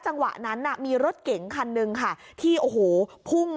จังหวะนั้นน่ะมีรถเก๋งคันหนึ่งค่ะที่โอ้โหพุ่ง